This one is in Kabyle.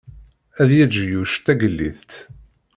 Ad yeǧǧ Yuc Tagellidt.